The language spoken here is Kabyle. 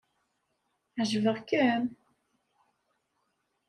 Ɛejbeɣ-kem?